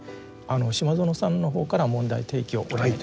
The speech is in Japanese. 島薗さんの方から問題提起をお願いいたします。